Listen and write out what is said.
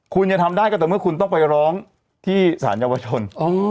คุณจะทำได้ก็แต่เมื่อคุณต้องไปร้องที่สารเยาวชน